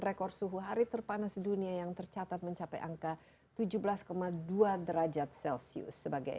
rekor suhu hari terpanas dunia yang tercatat mencapai angka tujuh belas dua derajat celcius sebagai